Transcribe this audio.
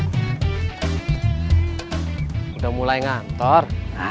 sudah mulai ngantor